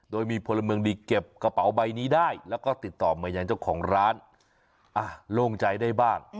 โดยมีพลเมืองดีเก็บกระเป๋าใบนี้ได้แล้วก็ติดต่อมายังเจ้าของร้านอ่ะโล่งใจได้บ้าง